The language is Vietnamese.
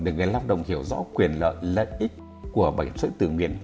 để người lắp đồng hiểu rõ quyền lợi lợi ích của bảo hiểm xã hội tự nguyện